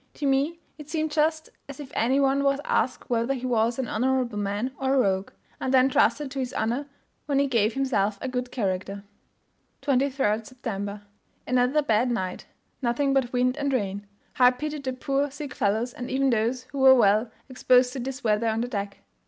To me it seemed just as if any one was asked whether he was an honourable man or a rogue, and then trusted to his honour when he gave himself a good character. 23rd September. Another bad night; nothing but wind and rain. How I pitied the poor, sick fellows, and even those who were well, exposed to this weather on the deck.